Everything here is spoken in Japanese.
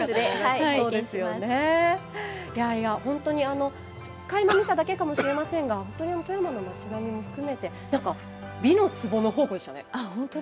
本当にかいま見ただけかもしれませんが富山の町並みも含めて「美の壺」の宝庫でしたね。